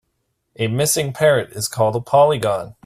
A missing parrot is called a polygon.